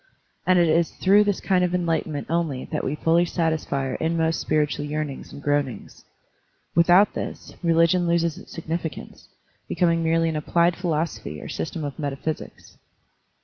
And it is through this kind of enlighten ment only that we fully satisfy our inmost spir itual yearnings and groanings. Without this, religion loses its significance, becoming merely an applied philosophy or system of metaphysics.